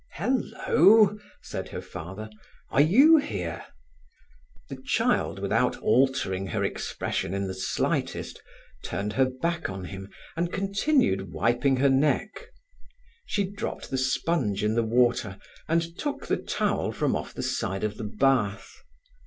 "Hello!" said her father. "Are you here!" The child, without altering her expression in the slightest, turned her back on him, and continued wiping her neck. She dropped the sponge in the water and took the towel from off the side of the bath.